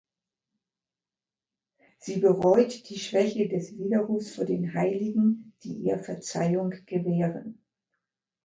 Sie bereut die Schwäche des Widerrufs vor den Heiligen, die ihr Verzeihung gewähren.